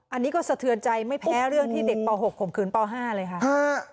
อันนี้ก็สะเทือนใจไม่แพ้เรื่องที่เด็กป๖ข่มขืนป๕เลยค่ะ